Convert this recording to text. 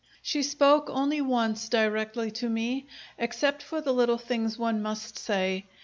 She spoke only once directly to me, except for the little things one must say.